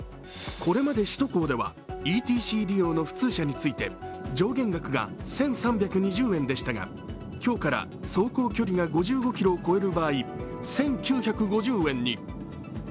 これまで首都高ではＥＴＣ利用の普通車について上限額が１３２０円でしたが、今日から走行距離が５５ｋｍを超える場合に１９５０円に。